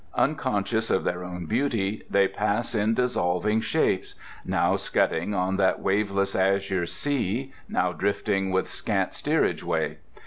Unconscious of their own beauty, they pass in dissolving shapes—now scudding on that waveless azure sea; now drifting with scant steerage way.